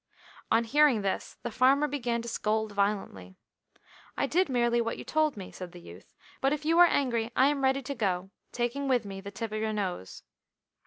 On hearing this the farmer began to scold violently. "I did merely what you told me," said the youth, "but if you are angry I am ready to go, taking with me the tip of your nose."